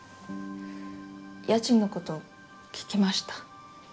家賃のこと聞きました。